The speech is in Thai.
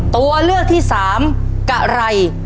ตัวเลือกที่สามกะไร